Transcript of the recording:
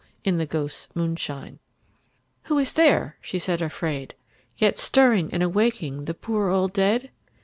In the ghosts' moonshine. II. Who is there, she said afraid, yet Stirring and awaking The poor old dead?